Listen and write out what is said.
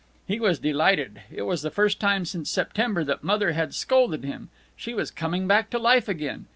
He was delighted. It was the first time since September that Mother had scolded him. She was coming back to life again.